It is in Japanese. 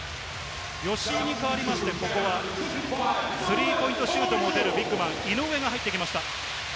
吉井に代わりまして、ここはスリーポイントシュートも打てるビッグマン・井上が入ってきました。